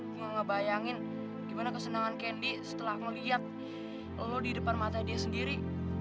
gue gak bayangin gimana kesenangan candy setelah ngeliat lo di depan mata dia sendiri